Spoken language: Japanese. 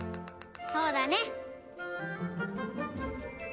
そうだね！